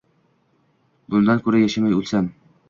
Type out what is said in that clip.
Bundan kura yashamay ulsam